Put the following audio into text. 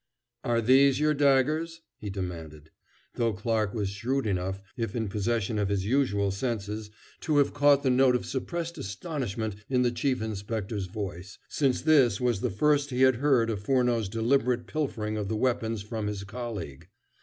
"Are these your daggers?" he demanded, though Clarke was shrewd enough, if in possession of his usual senses, to have caught the note of suppressed astonishment in the Chief Inspector's voice, since this was the first he had heard of Furneaux's deliberate pilfering of the weapons from his colleague.